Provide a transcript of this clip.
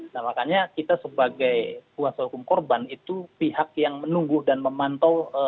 nah makanya kita sebagai kuasa hukum korban itu pihak yang menunggu dan memantau